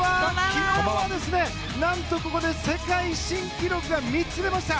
昨日は何とここで世界新記録が３つ出ました！